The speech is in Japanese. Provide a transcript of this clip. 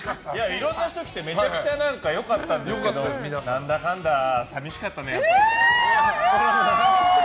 いろんな人、来てめちゃくちゃ良かったんですけど何だかんだ寂しかったねやっぱり。